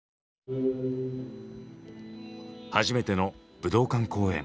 初めての武道館公演。